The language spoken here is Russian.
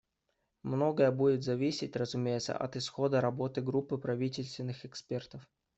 Многое будет зависеть, разумеется, и от исхода работы группы правительственных экспертов.